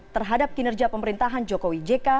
terhadap kinerja pemerintahan jokowi jk